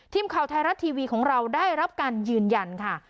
ทีมข่าวไทยรัฐทีวีของเราได้รับการยืนยันค่ะ